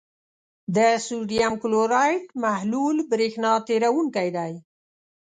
د سوډیم کلورایډ محلول برېښنا تیروونکی دی.